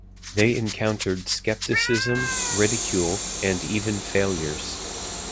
They encountered skepticism, ridicule, and even failures.